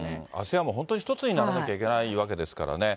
ＡＳＥＡＮも本当、一つにならなきゃいけないわけですからね。